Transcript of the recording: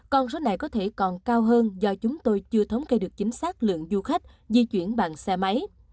con số này có thể còn cao hơn do chúng tôi chưa thống kê được chính xác lượng du khách di chuyển bằng xe máy